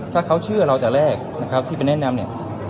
ถ้าเขาเชื่อเราจะแลกที่ไปแนะนำ